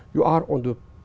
chúng ta đang ở trên thị trấn